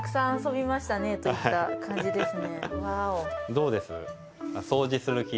どうです？